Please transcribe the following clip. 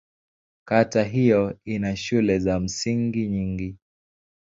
Kata hiyo ina shule za msingi nyingi.